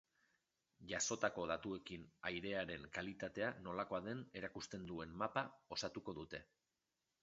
Jasotako datuekin airearen kalitatea nolakoa den erakusten duen mapa osatuko dute.